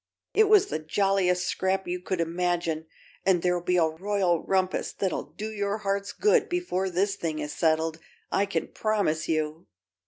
It was the jolliest scrap you could imagine and there'll be a royal rumpus that'll do your hearts good before this thing is settled, I can promise you!"